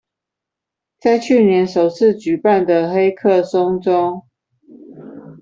在去年首次舉辦的黑客松中